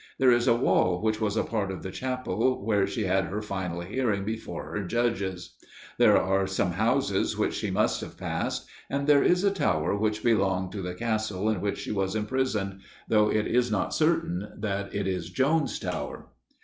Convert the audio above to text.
There is a wall which was a part of the chapel where she had her final hearing before her judges; there are some houses which she must have passed, and there is a tower which belonged to the castle in which she was imprisoned, though it is not certain that it is Joan's tower.